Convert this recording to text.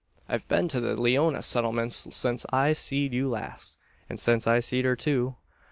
I've been to the Leeona settlements since I seed you last, and since I seed her too.